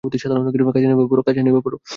কাজে নেমে পড়ো।